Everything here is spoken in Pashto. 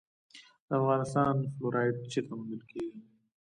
د افغانستان فلورایټ چیرته موندل کیږي؟